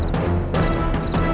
kepala parut lainnya